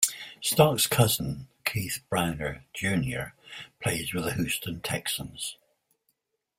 Starks's cousin, Keith Browner, Junior plays with the Houston Texans.